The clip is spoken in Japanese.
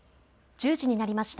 １０時になりました。